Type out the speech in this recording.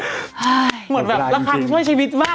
เฮ้ยหมดเวลาจริงจริงเหมือนแบบละครังช่วยชีวิตบ้าง